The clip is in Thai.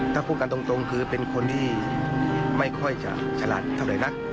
ถ้าพูดกันตรงคือเป็นคนที่ไม่ค่อยจะฉลาดเท่าไหร่นัก